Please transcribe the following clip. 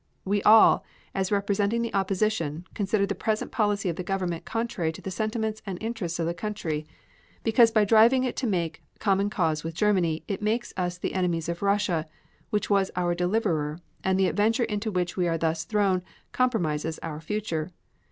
We all, as representing the opposition, consider the present policy of the Government contrary to the sentiments and interests of the country, because by driving it to make common cause with Germany it makes us the enemies of Russia, which was our deliverer, and the adventure into which we are thus thrown compromises our future.